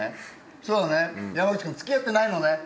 そうだね山口くん付き合ってないのね？